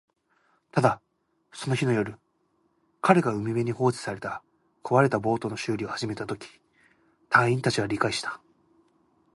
ただ、その日の夜、彼が海辺に放置された壊れたボートの修理を始めたとき、隊員達は理解した